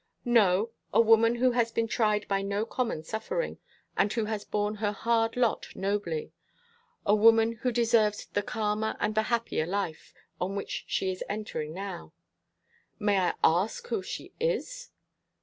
"No. A woman who has been tried by no common suffering, and who has borne her hard lot nobly. A woman who deserves the calmer and the happier life on which she is entering now." "May I ask who she is?"